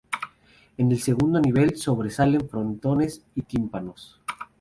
En el segundo nivel sobresalen frontones y tímpanos.